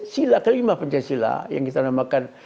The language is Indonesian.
sila kelima pencah sila yang kita namakan